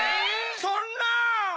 そんな！